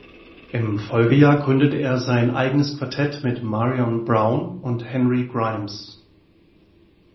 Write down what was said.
Im Folgejahr gründete er sein eigenes Quartett mit Marion Brown und Henry Grimes.